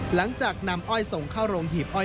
หลังจากนำอ้อยส่งเข้าโรงหีบอ้อย